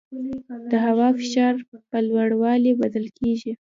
د هوا فشار په لوړوالي بدل کېږي.